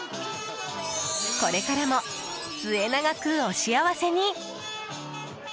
これからも末永くお幸せに！